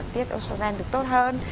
tiết oxygen được tốt hơn